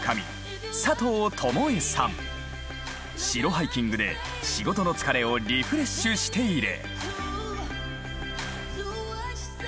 城ハイキングで仕事の疲れをリフレッシュしている。